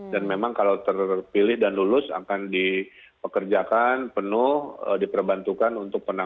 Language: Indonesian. dan memang kalau terpilih dan lulus akan dipekerjakan penuh diperbantukan untuk penanganan